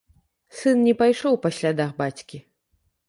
Сын не пайшоў па слядах бацькі.